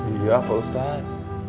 iya pak ustadz